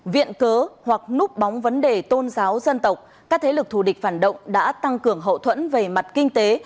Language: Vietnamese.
viện cớ hoặc núp bóng vấn đề tôn giáo dân tộc các thế lực thù địch phản động đã tăng cường hậu thuẫn về mặt kinh tế